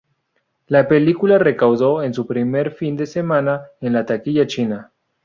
La película recaudó en su primer fin de semana en la taquilla china.